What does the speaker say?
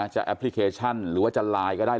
แอปพลิเคชันหรือว่าจะไลน์ก็ได้